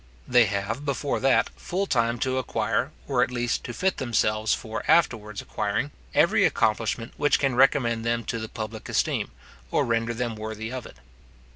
They have, before that, full time to acquire, or at least to fit themselves for afterwards acquiring, every accomplishment which can recommend them to the public esteem, or render them worthy of it.